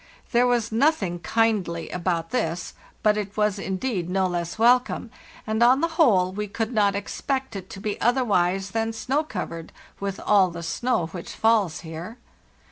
There was nothing kindly about this, but it was indeed no less welcome; and on the whole we could not expect it to be otherwise than snow covered, with all the snow which falls here.